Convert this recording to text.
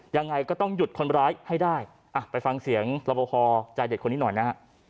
ยังไงก็ต้องหยุดคนร้ายให้ได้อ่ะไปฟังเสียงรับประพอใจเด็ดคนนี้หน่อยนะฮะ